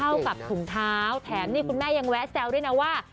เข้ากับถุงเท้าแถมนี่คุณแม่ยังแวะแซวด้วยนะว่า